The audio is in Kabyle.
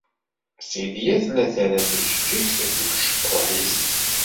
Silya tella terra tajeǧǧigt deg ucekkuḥ-is.